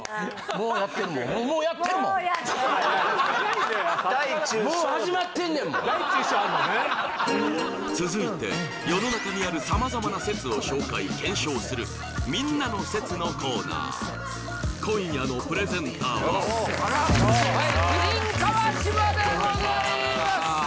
もうやってんもんもうやってんもん大・中・小でもう始まってんねんもん続いて世の中にある様々な説を紹介検証するみんなの説のコーナー今夜のプレゼンターははい麒麟・川島でございます